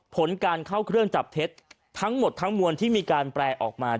ผลการเข้าเครื่องจับเท็จทั้งหมดทั้งมวลที่มีการแปลออกมา